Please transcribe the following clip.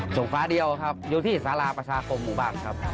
ส่งฝาเดียวครับอยู่ที่สาราประชาคมบางครับ